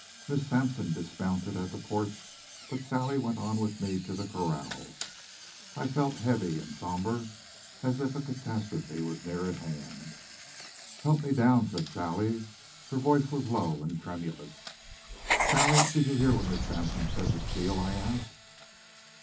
Miss Sampson dismounted at the porch, but Sally went on with me to the corrals. I felt heavy and somber, as if a catastrophe was near at hand. "Help me down," said Sally. Her voice was low and tremulous. "Sally, did you hear what Miss Sampson said to Steele?" I asked.